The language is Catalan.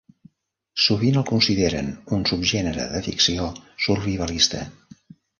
Sovint el consideren un subgènere de ficció survivalista.